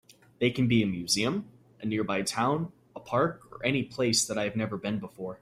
They can be a museum, a nearby town, a park, or any place that I have never been before.